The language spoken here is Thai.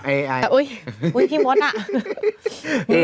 เอ๊ยไอไอพี่ม๊อร์ทอ่ะ